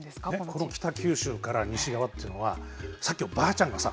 この北九州から西側というのはさっきのばあちゃんがさ